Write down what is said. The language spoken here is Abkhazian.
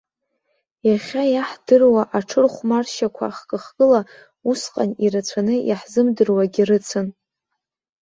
Иахьа иаҳдыруа аҽырхәмаршьақәа хкы-хкыла усҟан ирацәаны иаҳзымдыруагьы рыцын.